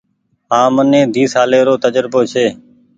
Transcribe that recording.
هآن مني ۮي سالي رو تجربو ڇي۔